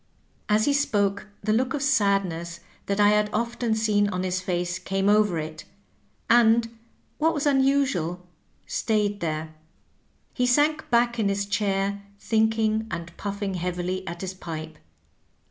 As he spoke the look of sadness that I had often seen on his face came over it, and, what was unusual, stayed there. He sank back in his chair thinking and pujQSing heavily at his pipe.